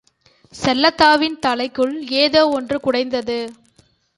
செல்லாத்தாவின் தலைக்குள் ஏதோ ஒன்று குடைந்தது.